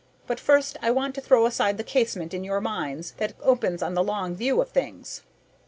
But first I want to throw wide the casement in your minds that opens on the Long View of Things."